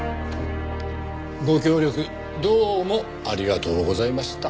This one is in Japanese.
ご協力どうもありがとうございました。